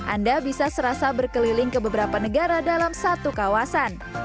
anda bisa serasa berkeliling ke beberapa negara dalam satu kawasan